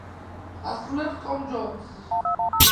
ასრულებს ტომ ჯოუნსი.